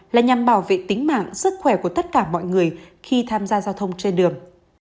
là nhằm bảo vệ tính mạng sức khỏe của tất cả mọi người khi tham gia giao thông trên đường